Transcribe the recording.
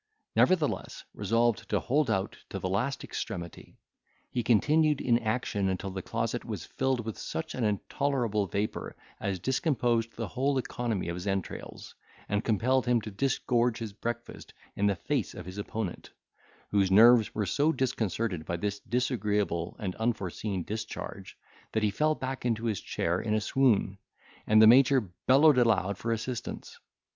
Nevertheless, resolved to hold out to the last extremity, he continued in action until the closet was filled with such an intolerable vapour as discomposed the whole economy of his entrails, and compelled him to disgorge his breakfast in the face of his opponent, whose nerves were so disconcerted by this disagreeable and unforeseen discharge, that he fell back into his chair in a swoon, and the major bellowed aloud for assistance.